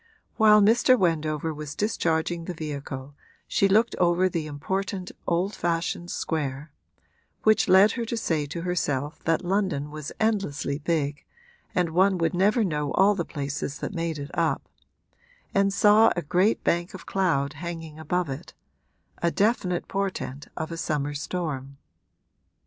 While Mr. Wendover was discharging the vehicle she looked over the important old fashioned square (which led her to say to herself that London was endlessly big and one would never know all the places that made it up) and saw a great bank of cloud hanging above it a definite portent of a summer storm.